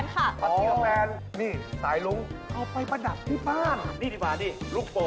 เรียนที่ไหนปริญญาโทรที่ชิคกาโค